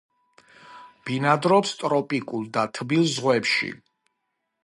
ბინადრობს ტროპიკულ და თბილ ზღვებში.